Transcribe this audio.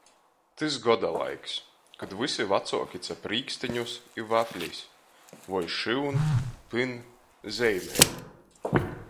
Tys goda laiks, kod vysi vacuoki cap rīksteņus i vaflis voi šyun, pyn, zeimej.